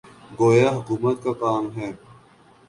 گویا حکومت کا کام ہے۔